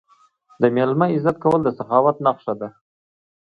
د میلمه عزت کول د سخاوت نښه ده.